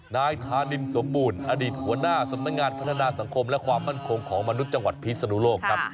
นายธานินสมบูรณ์อดีตหัวหน้าสำนักงานพัฒนาสังคมและความมั่นคงของมนุษย์จังหวัดพิศนุโลกครับ